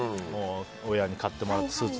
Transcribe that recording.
親に買ってもらったスーツ。